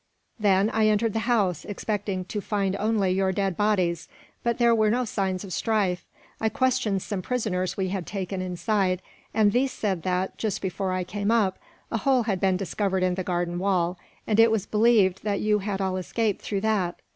"Then I entered the house, expecting to find only your dead bodies, but there were no signs of strife. I questioned some prisoners we had taken inside; and these said that, just before I came up, a hole had been discovered in the garden wall, and it was believed that you had all escaped through that.